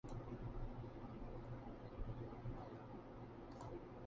Most restaurants and tourist attractions close early.